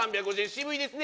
渋いですね